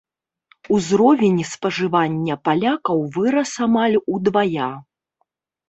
Узровень спажывання палякаў вырас амаль удвая.